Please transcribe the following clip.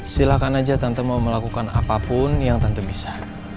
silahkan aja tante mau melakukan apapun yang tentu bisa